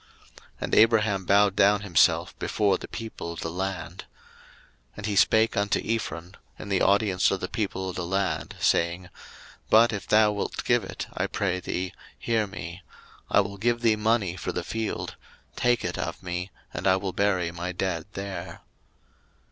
01:023:012 And Abraham bowed down himself before the people of the land. 01:023:013 And he spake unto Ephron in the audience of the people of the land, saying, But if thou wilt give it, I pray thee, hear me: I will give thee money for the field; take it of me, and I will bury my dead there.